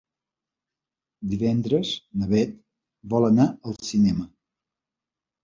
Divendres na Bet vol anar al cinema.